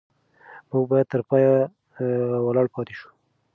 موږ باید تر پایه ولاړ پاتې شو.